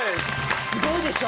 すごいでしょ？